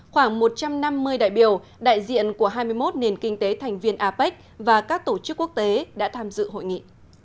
khoảng một trăm năm mươi đại biểu đại diện của hai mươi một nền kinh tế thành viên apec và các tổ chức quốc tế đã tham dự hội nghị